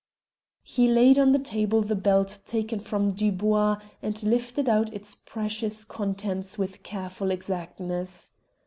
He laid on the table the belt taken from Dubois, and lifted out its precious contents with careful exactness.